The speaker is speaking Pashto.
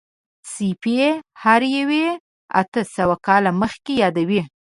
سیفي هروي اته سوه کاله مخکې یادوي.